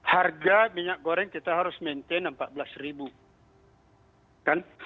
harga minyak goreng kita harus maintain rp empat belas ribu